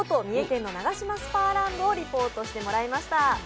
三重県のナガシマスパーランドをリポートしてもらいました。